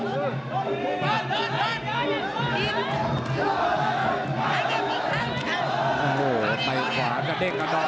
อ้าววไปขวากระเด็กกระดอย